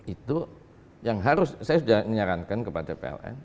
itu yang harus saya sudah menyarankan kepada pln